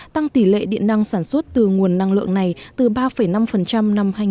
tăng tỷ lệ điện năng sản xuất từ nguồn năng lượng này từ ba năm năm hai nghìn một mươi